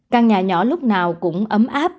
căn nhà nhỏ lúc nào cũng ấm áp